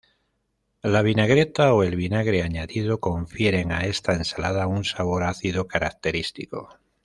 La vinagreta, o el vinagre añadido, confieren a esta ensalada un sabor ácido característico.